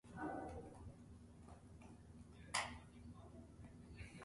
The Germans had divided their troops into three parts.